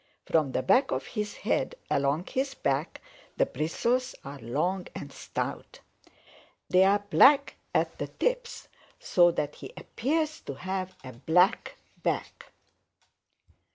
From the back of his head along his back the bristles are long and stout. They are black at the tips so that he appears to have a black back.